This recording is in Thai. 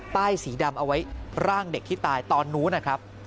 สีดำเอาไว้ร่างเด็กที่ตายตอนนู้นนะครับ